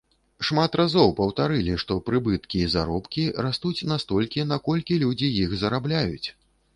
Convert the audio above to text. Шмат разоў паўтарылі, што прыбыткі і заробкі растуць настолькі, наколькі людзі іх зарабляюць.